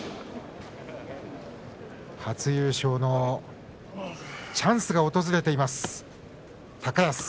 初優勝のチャンスが訪れています高安。